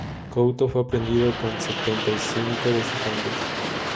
Couto fue aprehendido con setenta y cinco de sus hombres.